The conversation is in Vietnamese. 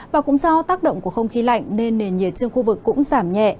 và cũng do tác động của không khí lạnh nên nền nhiệt trên khu vực cũng giảm nhẹ